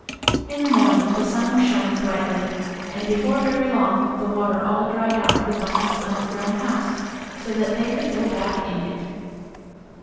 In the morning the sun was shining brightly, and before very long the water all dried out of the bunnies' underground house, so that they could go back in it.